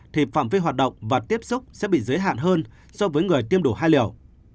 thì phạm vi hoạt động và tiếp xúc sẽ bị giới hạn hơn so với người tiêm đủ hai liều